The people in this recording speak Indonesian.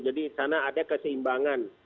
jadi sana ada keseimbangan